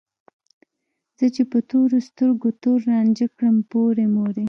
زه چې په تورو سترګو تور رانجه کړم پورې مورې